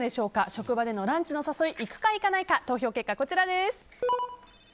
職場でのランチの誘い行くか行かないか投票結果、こちらです。